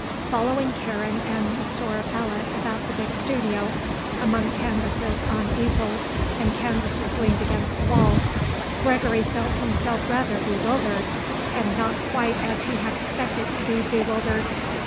Following Karen and Monsieur Belot about the big studio, among canvases on easels and canvases leaned against the walls, Gregory felt himself rather bewildered, and not quite as he had expected to be bewildered.